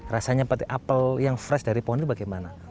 rasanya petik apel yang fresh dari pohon ini bagaimana